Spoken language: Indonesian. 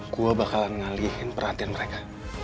gue bakalan ngalihin perhatian mereka